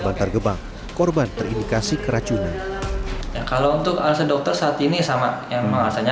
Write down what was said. bantar gebang korban terindikasi keracunan kalau untuk alasan dokter saat ini sama yang mengasannya